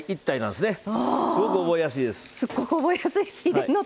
すごい覚えやすいです。